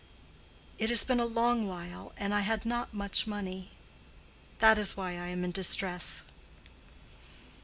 It has been a long while, and I had not much money. That is why I am in distress."